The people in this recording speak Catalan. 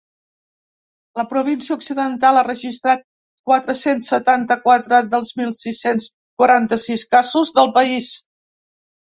La província occidental ha registrat quatre-cents setanta-quatre dels mil sis-cents quaranta-sis casos del país.